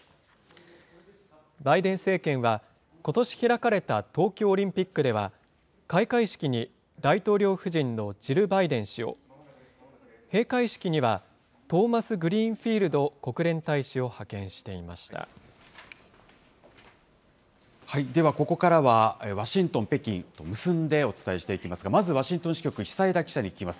バイデン政権は、ことし開かれた東京オリンピックでは、開会式に大統領夫人のジル・バイデン氏を、閉会式にはトーマスグリーンフィールド国連大使を派遣していましではここからは、ワシントン、北京と結んでお伝えしていきますが、まずワシントン支局、久枝記者に聞きます。